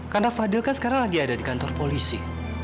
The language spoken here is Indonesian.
karena fadil kan sekarang lagi ada di kantor polisi